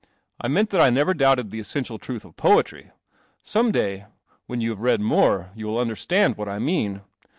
I meant that I never doubted the essential truth of Poetry. Some day, when you have read more, you will understand what I mean."